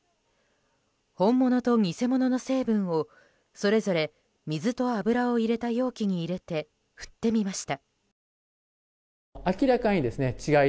本物と偽物の成分を、それぞれ水と油を入れた容器に入れて振ってみました。